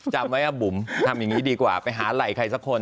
จำไว้ว่าบุ๋มทำอย่างนี้ดีกว่าไปหาไหล่ใครสักคน